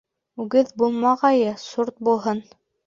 Үгеҙ булмағайы сурт булһын